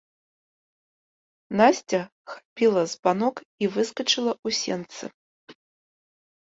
Насця хапіла збанок і выскачыла ў сенцы.